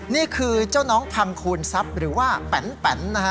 นี่คือเจ้าน้องพังคูณทรัพย์หรือว่าแปนนะฮะ